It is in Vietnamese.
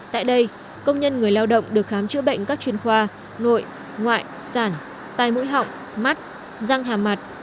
tại đây công nhân người lao động được khám chữa bệnh các chuyên khoa nội ngoại sản tai mũi họng mắt răng hà mặt